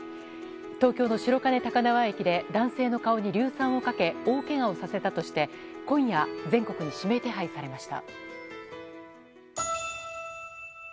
東京の白金高輪駅で男性の顔に硫酸をかけ大けがをさせたとして今夜、全国に指名手配されました。